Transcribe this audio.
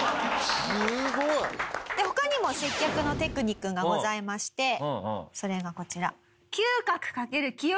すごい！他にも接客のテクニックがございましてそれがこちら。